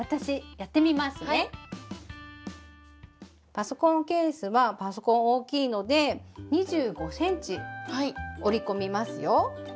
パソコンケースはパソコン大きいので２５ｃｍ折り込みますよ。